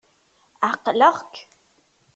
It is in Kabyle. Ɛeqleɣ-k.